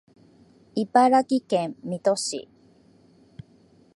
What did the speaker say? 茨城県水戸市